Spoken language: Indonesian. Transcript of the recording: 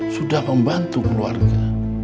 sudah membantu keluarga